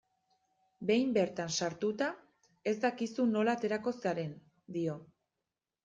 Behin bertan sartuta, ez dakizu nola aterako zaren, dio.